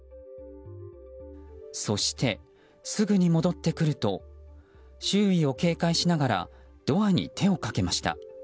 そして、すぐに戻ってくると周囲を警戒しながらドアに手をかけました。